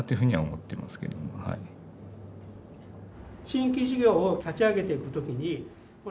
新規事業を立ち上げていく時に。